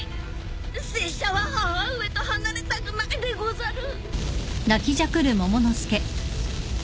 拙者は母上と離れたくないでござる。